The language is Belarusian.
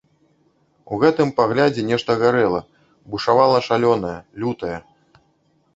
У гэтым паглядзе нешта гарэла, бушавала шалёнае, лютае.